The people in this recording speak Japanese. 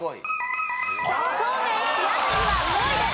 そうめんひやむぎは５位です。